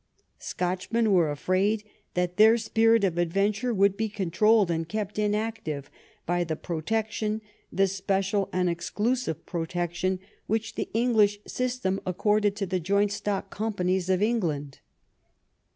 Scotchmen were afraid that their spirit of adventure would be controlled and kept inactive by the protection, the special and exclusive protection, which the English 162 THE UNION WITH SCOTLAND system accorded to the joint stock companies of Eng land.